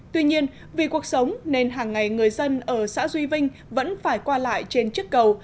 tuy nhiên vì cuộc sống nên hàng ngày người dân ở xã duy vinh vẫn phải qua lại trên chiếc cầu